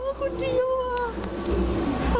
น้องคนเดียวว่ะ